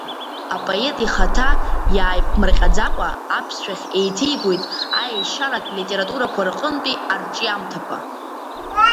Апоет ихаҭа иааиԥмырҟьаӡакәа аԥсшәахь еиҭеигоит аешьаратә литературақәа рҟынтәи арҿиамҭақәа.